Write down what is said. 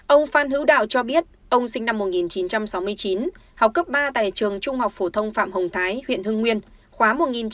ông phan hiễu đạo cho biết ông sinh năm một nghìn chín trăm sáu mươi chín học cấp ba tại trường trung học phổ thông phạm hồng thái huyện hưng nguyên khóa một nghìn chín trăm tám mươi bốn một nghìn chín trăm tám mươi bảy